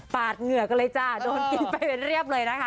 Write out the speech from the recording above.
เหงื่อกันเลยจ้ะโดนกินไปเป็นเรียบเลยนะคะ